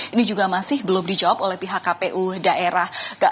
ini juga masih belum dijawab oleh pihak kpu daerah